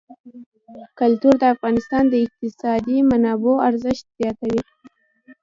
کلتور د افغانستان د اقتصادي منابعو ارزښت زیاتوي.